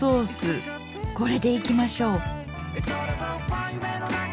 これでいきましょう。